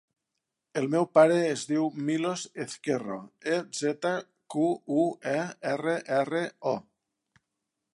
El meu pare es diu Milos Ezquerro: e, zeta, cu, u, e, erra, erra, o.